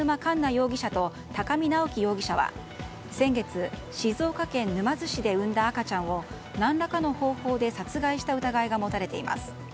容疑者と高見直輝容疑者は先月、静岡県沼津市で産んだ赤ちゃんを何らかの方法で殺害した疑いが持たれています。